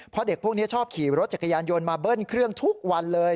เพราะเด็กพวกนี้ชอบขี่รถจักรยานยนต์มาเบิ้ลเครื่องทุกวันเลย